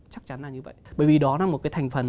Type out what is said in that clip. chắc chắn là như vậy bởi vì đó là một cái thành phần